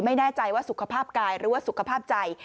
ไม่แน่ใจว่าสุขภาพกายหรือว่าสุขภาพใจ